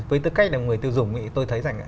với tư cách là người tiêu dùng tôi thấy rằng